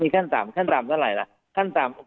ขั้นต่ำเท่าไหร่ละ